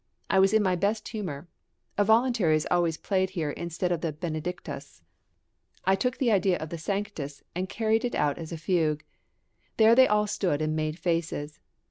I was in my best humour. A voluntary is always played here instead of the Benedictus; I took the idea of the Sanctus and carried it out as a fugue. There they all stood and made faces.